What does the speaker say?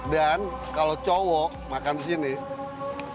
dan kalau cowok makan disini maka dia bisa makan sama dengan bakmi